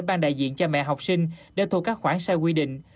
ban đại diện cha mẹ học sinh để thu các khoản sai quy định